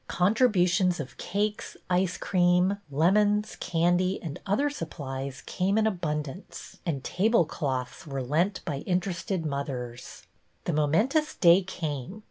Contribu tions of cakes, ice cream, lemons, candy, and other supplies came in abundance, and table cloths were lent by interested mothers. The momentous day came.